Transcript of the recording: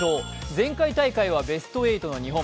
前回大会はベスト８の日本。